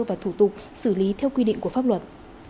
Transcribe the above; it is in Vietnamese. và thủ tục xử lý theo quy định của pháp luật